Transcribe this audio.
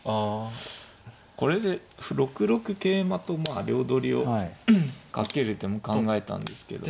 これで６六桂馬とまあ両取りをかける手も考えたんですけど。